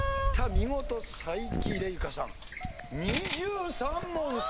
見事才木玲佳さん。